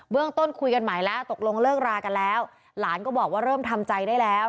ต้นคุยกันใหม่แล้วตกลงเลิกรากันแล้วหลานก็บอกว่าเริ่มทำใจได้แล้ว